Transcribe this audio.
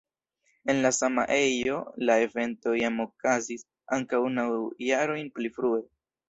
En la sama ejo la evento jam okazis ankaŭ naŭ jarojn pli frue.